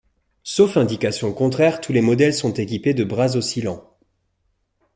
Sauf indication contraire tous les modèles sont équipés de bras oscillants.